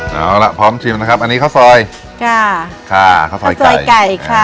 เอาล่ะพร้อมชิมนะครับอันนี้ข้าวซอยค่ะค่ะข้าวซอยซอยไก่ค่ะ